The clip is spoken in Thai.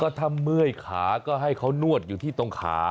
ถ้าเมื่อยขาก็ให้เขานวดอยู่ที่ตรงขา